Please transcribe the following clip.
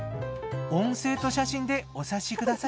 音声と写真でお察しください。